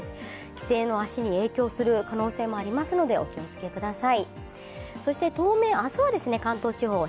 帰省の足に影響する可能性もありますので、お気をつけください。